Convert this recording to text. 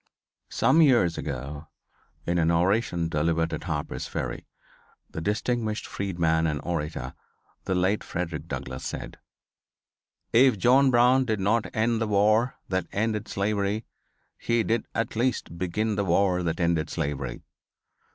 Some years ago, in an oration delivered at Harper's Ferry, the distinguished freedman and orator, the late Frederick Douglass, said: "If John Brown did not end the war that ended slavery he did at least begin the war that ended slavery.